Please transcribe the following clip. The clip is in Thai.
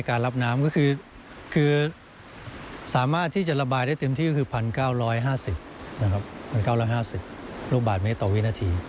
คือสามารถที่จะระบายได้เต็มที่คือ๑๙๕๐รูปบาทเมตรต่อวินาที